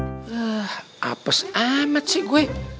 ah apes amat sih gue